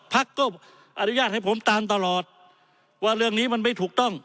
พักก็อนุญาตให้ผมตามตลอดว่าเรื่องนี้มันไม่ถูกต้อง